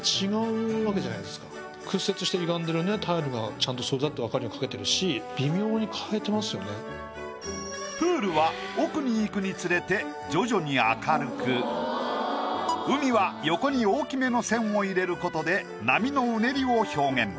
ちゃんとそれだって分かる様に描けてるしプールは奥に行くにつれて徐々に明るく海は横に大きめの線を入れることで波のうねりを表現。